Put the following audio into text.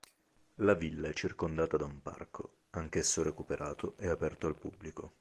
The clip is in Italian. La villa è circondata da un parco, anch'esso recuperato e aperto al pubblico.